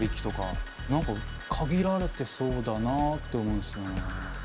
何か限られてそうだなあって思うんすよね。